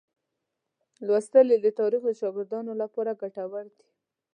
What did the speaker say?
لوستل یې د تاریخ د شاګردانو لپاره ګټور دي.